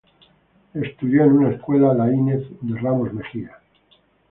Estudió en una Escuela Láinez de Ramos Mejía.